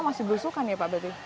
masih belusukan ya pak